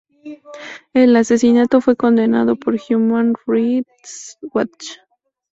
El asesinato fue condenado por Human Rights Watch.